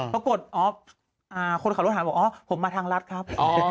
ปรากฏอ๋อคนขับรถหันบอกอ๋อผมมาทางรัฐครับ